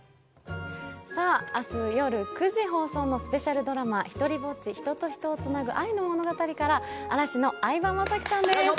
明日夜９時放送のスペシャルドラマ「ひとりぼっち―人と人をつなぐ愛の物語―」から嵐の相葉雅紀さんです。